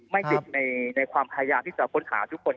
ไม่ติดในความพยายามที่จะค้นหาทุกคน